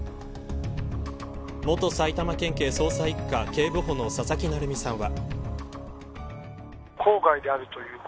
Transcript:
元埼玉県警捜査一課警部補の佐々木成三さんは。